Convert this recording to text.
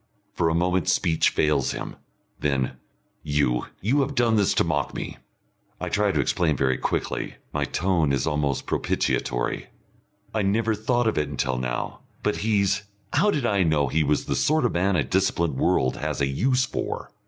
For a moment speech fails him, then; "You you have done this to mock me." I try to explain very quickly. My tone is almost propitiatory. "I never thought of it until now. But he's How did I know he was the sort of man a disciplined world has a use for?"